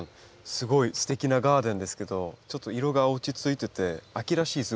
すごいすてきなガーデンですけどちょっと色が落ち着いてて秋らしい姿になってますね。